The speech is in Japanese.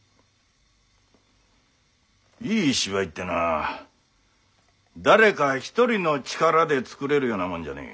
いい芝居ってのは誰か一人の力で作れるようなもんじゃねえ。